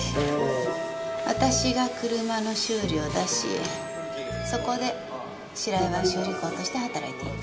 私が車の修理を出しそこで白井は修理工として働いていた。